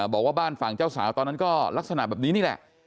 บอกว่าบ้านฝั่งเจ้าสาวตอนนั้นก็ลักษณะแบบนี้นี่แหละ